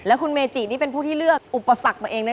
แล้วคุณเมจินี่เป็นผู้ที่เลือกอุปสรรคมาเองนะ